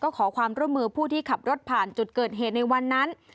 ขอความร่วมมือผู้ที่ขับรถผ่านจุดเกิดเหตุในวันนั้น